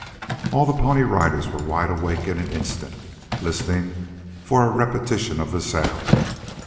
All the Pony Riders were wide awake in an instant, listening for a repetition of the sound.